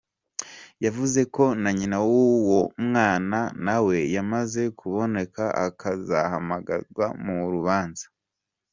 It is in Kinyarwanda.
Yavuze ko na nyina w’uwo mwana nawe yamaze kuboneka akazahamagazwa mu rubanza.